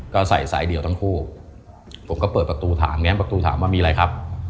ก็ใส่สายเดี่ยวทั้งคู่ผมก็เปิดประตูถามแง้มประตูถามว่ามีอะไรครับ